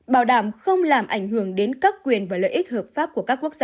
bảo đảm không làm ảnh hưởng đến các quyền và lợi ích hợp pháp của các quốc gia